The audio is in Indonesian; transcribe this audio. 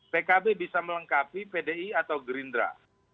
pkb bisa melengkapi pdi atau gerindra